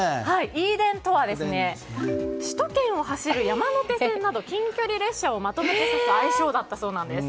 Ｅ電とは、首都圏を走る山手線など近距離列車をまとめて指す愛称だったそうです。